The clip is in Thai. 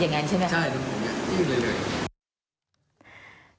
อย่างนั้นใช่ไหมคะใช่ลมอัดเม็ดประโปรนยืนเรื่อย